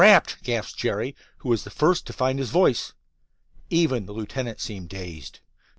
"Trapped!" gasped Jerry, who was the first to find his voice. Even the lieutenant seemed dazed.